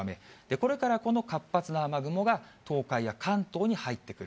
これからこの活発な雨雲が東海や関東に入ってくる。